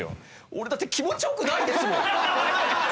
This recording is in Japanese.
俺だって気持ち良くないですもん！